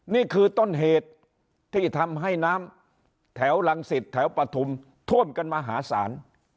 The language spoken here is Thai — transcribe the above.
นี่คือต้นเหตุที่ทำให้น้ำแถวรังสิตแถวปฐุมท่วมกันมหาศาล